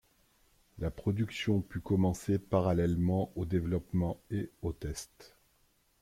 La production put commencer parallèlement au développement et aux tests.